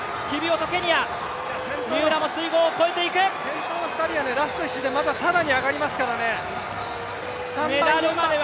先頭２人はラスト１周で更に上がりますからね。